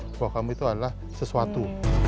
bahwa kamu itu adalah sesuatu